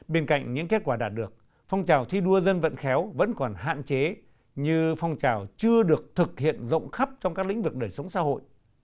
bên cạnh những kết quả đạt được phong trào thi đua dân vận khéo vẫn còn hạn chế như phong trào chưa được thực hiện rộng khắp trong các lĩnh vực đời sống xã hội